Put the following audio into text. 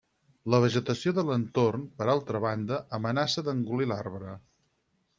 La vegetació de l'entorn, per altra banda, amenaça d'engolir l'arbre.